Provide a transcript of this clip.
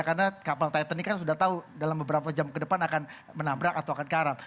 karena kapal titanic kan sudah tahu dalam beberapa jam ke depan akan menabrak atau akan karam